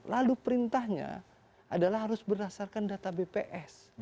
lalu perintahnya adalah harus berdasarkan data bps